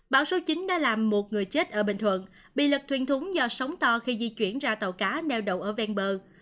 bão số chín đã làm một người chết ở bình thuận bị lật thuyền thúng do sóng to khi di chuyển ra tàu cá neo đậu ở ven bờ